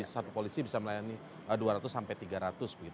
satu polisi bisa melayani dua ratus sampai tiga ratus